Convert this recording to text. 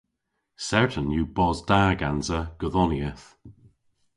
Certan yw bos da gansa godhonieth.